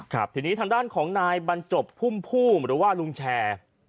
ทีนี้ทางด้านของนายบรรจบพุ่มพุ่มหรือว่าลุงแชร์